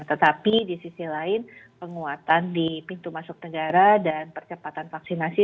tetapi di sisi lain penguatan di pintu masuk negara dan percepatan vaksinasi